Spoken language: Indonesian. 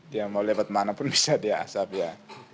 dia mau lewat mana pun bisa dia asap ya